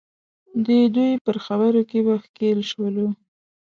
د دوی پر خبرو کې به ښکېل شولو.